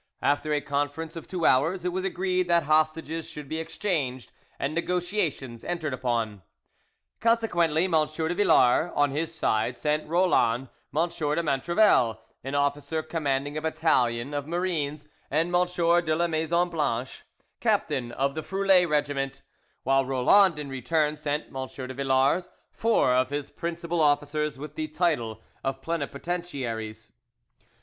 After a conference of two hours, it was agreed that hostages should be exchanged and negotiations entered upon. Consequently, M. de Villars on his side sent Roland M. de Montrevel, an officer commanding a battalion of marines, and M. de la Maison Blanche, captain of the Froulay regiment; while Roland in return sent M. de Villars four of his principal officers with the title of plenipotentiaries.